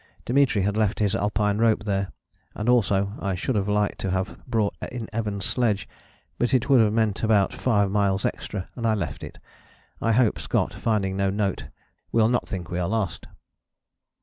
"Dimitri had left his Alpine rope there, and also I should have liked to have brought in Evans' sledge, but it would have meant about five miles extra, and I left it. I hope Scott, finding no note, will not think we are lost."